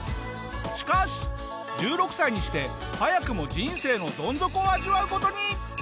しかし１６歳にして早くも人生のドン底を味わう事に。